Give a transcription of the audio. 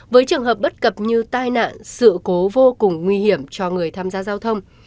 với trường hợp bất cập như tai nạn sự cố vô cùng nguy hiểm cho người tham gia giao thông